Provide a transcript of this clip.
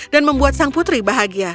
dan membuat sang putri bahagia